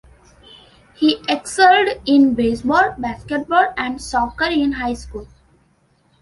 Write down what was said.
He excelled in baseball, basketball, and soccer in high school.